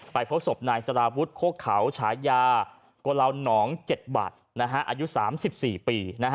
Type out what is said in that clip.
ไปเฝ้าศพนายสระพุทธโค้กเขาฉายากล่าวหนอง๗บาทอายุ๓๔ปี